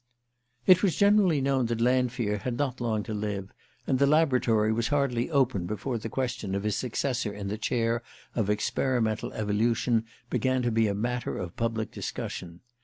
It was generally known that Lanfear had not long to live, and the Laboratory was hardly opened before the question of his successor in the chair of Experimental Evolution began to be a matter of public discussion.